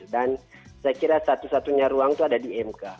dan saya kira satu satunya ruang itu ada di emk